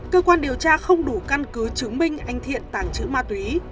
cơ quan điều tra không đủ căn cứ chứng minh anh thiện tàng trữ ma túy